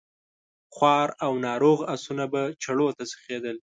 خوار او ناروغ آسونه به چړو ته سيخېدل.